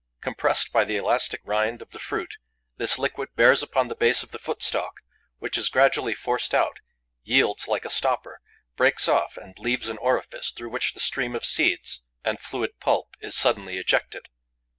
Compressed by the elastic rind of the fruit, this liquid bears upon the base of the footstalk, which is gradually forced out, yields like a stopper, breaks off and leaves an orifice through which a stream of seeds and fluid pulp is suddenly ejected.